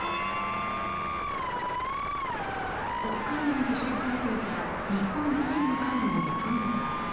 国会内で開かれていた日本維新の会の役員会。